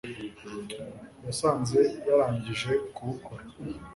yasanze yarangije kubukora